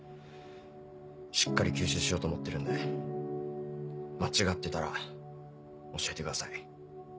しっかり吸収しようと思ってるんで間違ってたら教えてください。